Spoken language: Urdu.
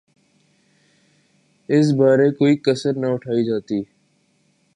اس بارے کوئی کسر نہ اٹھائی جاتی۔